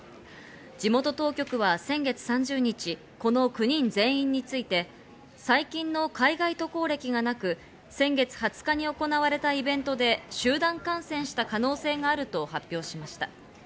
地元当局は先月３０日、この９人全員について、最近の海外渡航歴がなく、先月２０日に行われたイベントで集団感染した可能性があると発表しました。